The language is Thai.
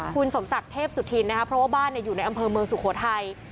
คุณสมศักดิ์เทพสุธินนะคะเพราะว่าบ้านอยู่ในอำเภอเมืองสุโขทัย